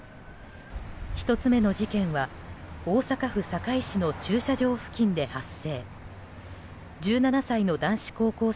１つ目の事件は大阪府堺市の駐車場付近で発生。